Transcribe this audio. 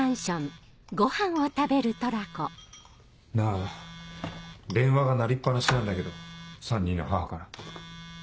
なぁ電話が鳴りっ放しなんだけど３人の母から。